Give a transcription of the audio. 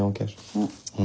うん。